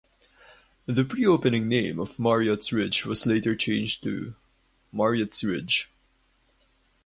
The pre-opening name of Marriott's Ridge was later changed to Marriotts Ridge.